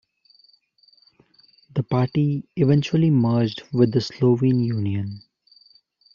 The party eventually merged with the Slovene Union.